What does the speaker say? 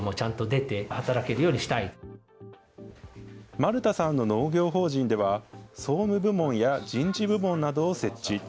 丸田さんの農業法人では、総務部門や人事部門などを設置。